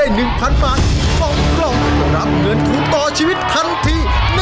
ถ้าหมุนได้๑๐๐๐บาทของกล่องก็รับเงินถูกต่อชีวิตทันที